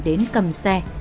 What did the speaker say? đến cầm xe